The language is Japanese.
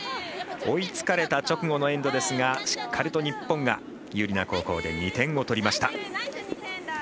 追いつかれた直後のエンドですがしっかりと日本が有利な後攻で２点を取りました。